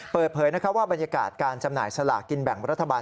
เปิดเผยว่าบรรยากาศการจำหน่ายสลากกินแบ่งรัฐบาล